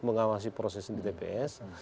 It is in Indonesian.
mengawasi proses di tps